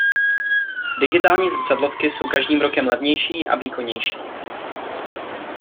Digitální zrcadlovky jsou každým rokem levnější a výkonnější.